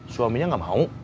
suaminya gak mau